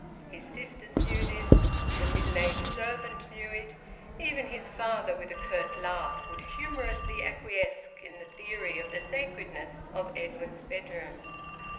His sisters knew this; the middle aged servant knew it; even his father, with a curt laugh, would humorously acquiesce in the theory of the sacredness of Edwin's bedroom.